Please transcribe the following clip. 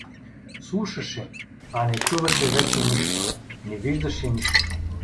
Слушаше, а не чуваше вече нищо, не виждаше нищо.